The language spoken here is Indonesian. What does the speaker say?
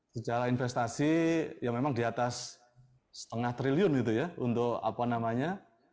secara investasi ya memang di atas setengah triliun gitu ya untuk apa namanya